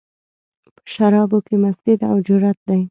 په شرابو کې مستي ده، او جرت دی